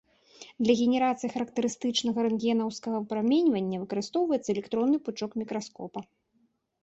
Для генерацыі характарыстычнага рэнтгенаўскага выпраменьвання выкарыстоўваецца электронны пучок мікраскопа.